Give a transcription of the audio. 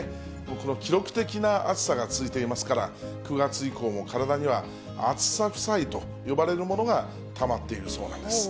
この記録的な暑さが続いていますから、９月以降も体には暑さ負債と呼ばれるものがたまっているそうなんです。